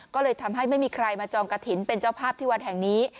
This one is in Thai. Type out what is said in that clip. ก็เลยทำให้ไม่มีใครมาจองกระถิ่นเป็นเจ้าภาพที่วัดแห่งนี้